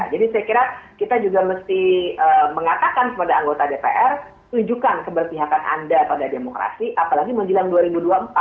jadi saya kira kita juga mesti mengatakan kepada anggota dpr tunjukkan keberpihakan anda pada demokrasi apalagi menjelang dua ribu dua puluh empat